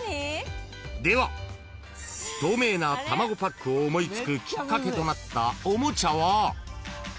［では透明なたまごパックを思い付くきっかけとなったおもちゃは］